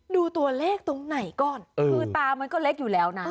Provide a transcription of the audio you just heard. ดูตัวเลขตรงไหนก่อนคือตามันก็เล็กอยู่แล้วนะ